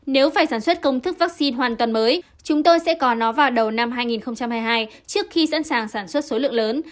nếu phải sản xuất công thức vaccine hoàn toàn mới chúng tôi sẽ có nó vào đầu năm hai nghìn hai mươi hai trước khi sẵn sàng sản xuất số lượng lớn